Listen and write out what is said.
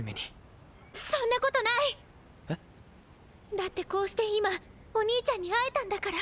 だってこうして今お兄ちゃんに会えたんだから。